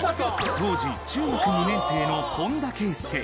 当時、中学２年生の本田圭佑。